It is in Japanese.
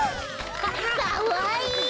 かわいい。